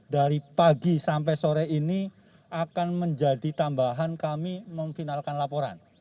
dari pagi sampai sore ini akan menjadi tambahan kami memfinalkan laporan